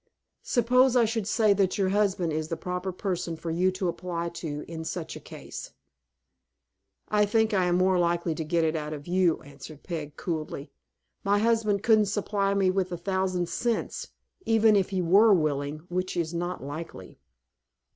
"Suppose I should say that your husband is the proper person for you to apply to in such a case." "I think I am more likely to get it out of you," answered Peg, coolly. "My husband couldn't supply me with a thousand cents, even if he were willing, which is not likely."